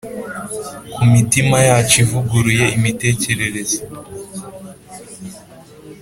kumitima yacu ivuguruye imitekerereze